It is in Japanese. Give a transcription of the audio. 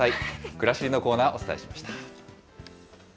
くらしりのコーナー、お伝えしました。